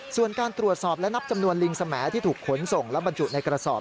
ส่วนการตรวจสอบและนับจำนวนลิงสมัยที่ถูกขนส่งและบรรจุในกระสอบ